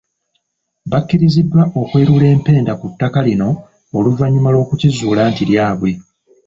Bakiriziddwa okwerula empenda ku ttaka lino oluvannyuma lw'okukizuula nti lyabwe